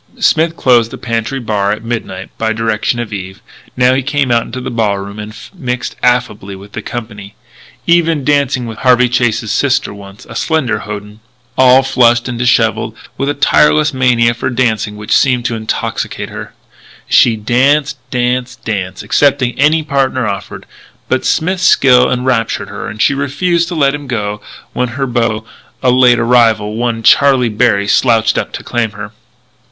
Smith closed the pantry bar at midnight, by direction of Eve. Now he came out into the ballroom and mixed affably with the company, even dancing with Harvey Chase's sister once a slender hoyden, all flushed and dishevelled, with a tireless mania for dancing which seemed to intoxicate her. She danced, danced, danced, accepting any partner offered. But Smith's skill enraptured her and she refused to let him go when her beau, a late arrival, one Charlie Berry, slouched up to claim her.